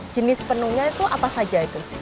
jenis penuhnya itu apa saja itu